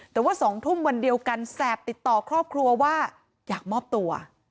แต่ว่า๒ทุ่มวันเดียวกันแสบติดต่อครอบครัวว่าอยากมอบตัว